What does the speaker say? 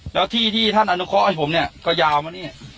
แล้วที่ที่ท่านอนุเคราะห์ให้ผมเนี่ยก็ยาวมานี่